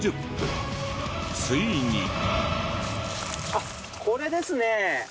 あっこれですね。